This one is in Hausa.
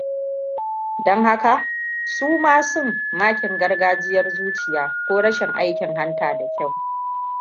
Don haka, su masun makin gargajiyar zuciya ko rashin aikin hanta da kyau.